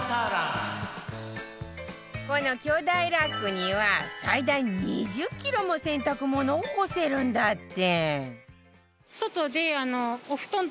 この巨大ラックには最大２０キロも洗濯物を干せるんだって